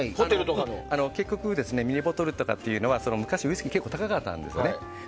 結局、ミニボトルというのは昔はウイスキーは結構高かったんですよね。